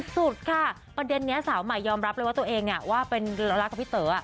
สุดค่ะประเด็นนี้สาวใหม่ยอมรับเลยว่าตัวเองว่าเป็นรักกับพี่เต๋อ